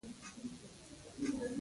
هغه د معنوي استغنا خاوند هم دی.